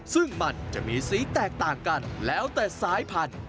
ซึ่งมันจะมีสีแตกต่างกันแล้วแต่สายพันธุ